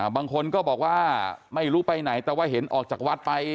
บางคนก็บอกว่าไม่รู้ไปไหนแต่ว่าเห็นออกจากวัดไป